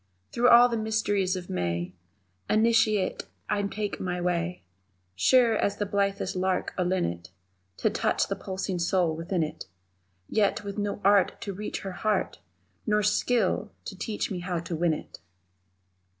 Through all the mysteries of May, Initiate, I take my way Sure as the blithest lark or linnet To touch the pulsing soul within it Yet with no art to reach Her heart, Nor skill to teach me how to win it!